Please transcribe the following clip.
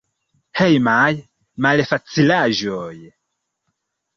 Hejmaj malfacilaĵoj.